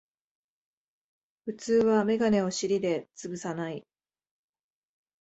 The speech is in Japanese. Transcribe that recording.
普通はメガネを尻でつぶさない